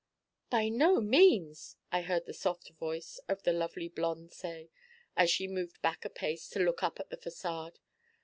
'By no means,' I heard the soft voice of the lovely blonde say, as she moved back a pace to look up at the façade.